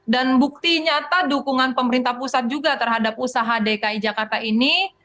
dan bukti nyata dukungan pemerintah pusat juga terhadap usaha dki jakarta ini